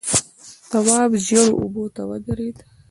تواب ژېړو اوبو ته ودرېد.